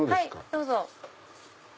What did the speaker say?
どうぞ。